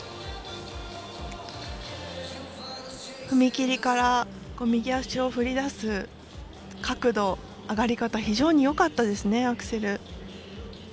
踏み切りから右足を振り出す角度上がり方、非常によかったですね。